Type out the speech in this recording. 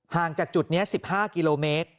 จากจุดนี้๑๕กิโลเมตร